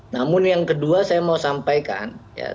namun yang kedua saya mau sampaikan